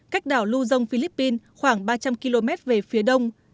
cách đảo lưu dông philippines khoảng ba trăm linh km về phía đông